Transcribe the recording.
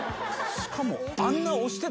しかも。